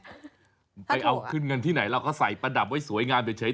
ไปเอาขึ้นเงินที่ไหนเราก็ใส่ประดับไว้สวยงามเฉย